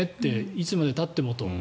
いつまでたっても。